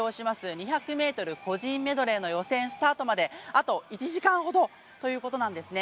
２００ｍ個人メドレーの予選スタートまであと１時間ほどということなんですね。